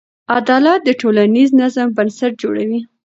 عدالت د ټولنیز نظم بنسټ جوړوي.